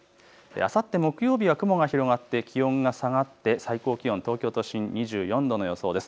あさって木曜日は雲が広がって気温が下がって最高気温、東京都心に２４度の予想です。